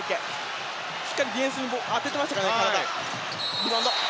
しっかりディフェンスに当てていましたから。